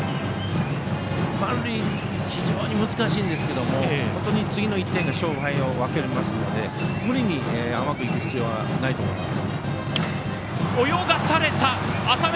ある意味非常に難しいんですけれども次の１点が勝敗を分けますので無理に甘く必要はないと思います。